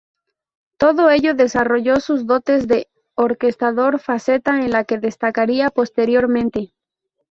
Todo ello desarrolló sus dotes de orquestador, faceta en la que destacaría posteriormente.